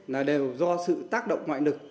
là đều do sự tác động ngoại lực